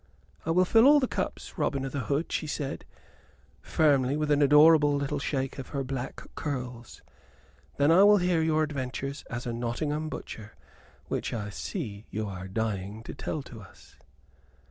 "I will fill all the cups, Robin o' th' Hood," she said, firmly, with an adorable little shake of her black curls; "then will hear your adventures as a Nottingham butcher, which I see you are dying to tell to us."